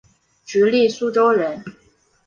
直隶苏州人。